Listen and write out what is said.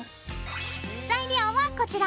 材料はこちら！